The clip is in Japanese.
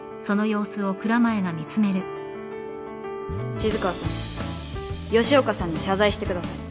静川さん吉岡さんに謝罪してください。